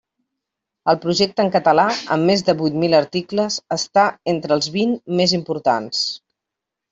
El projecte en català, amb més de vuit mil articles, està entre els vint més importants.